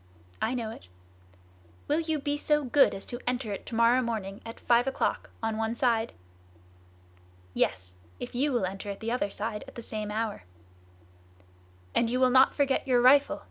"I know it." "Will you be so good as to enter it to morrow morning at five o'clock, on one side?" "Yes! if you will enter at the other side at the same hour." "And you will not forget your rifle?"